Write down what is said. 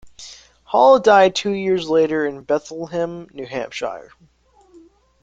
Hall died two years later in Bethlehem, New Hampshire.